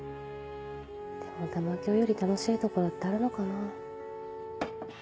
でも玉響より楽しいところってあるのかな？